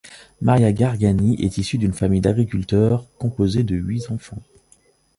Maria Gargani est issue d'une famille d'agriculteurs, composée de huit enfants.